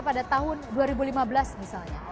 pada tahun dua ribu lima belas misalnya